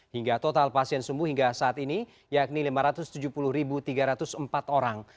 hingga total pasien sembuh hingga saat ini yakni lima ratus tujuh puluh tiga ratus empat orang